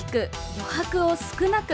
余白を少なく！